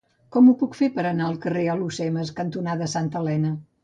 Com ho puc fer per anar al carrer Alhucemas cantonada Santa Elena?